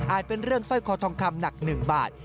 อาจเป็นเรื่องเส้าขอทองคำหนักหนึ่งบาท